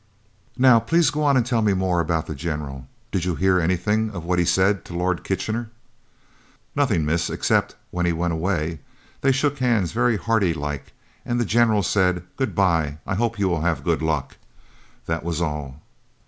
"Now please go on and tell me more about the General. Did you hear anything of what he said to Lord Kitchener?" "Nothing, miss, except when he went away. They shook hands very hearty like and the General said, 'Good bye; I hope you will have good luck.' That was all."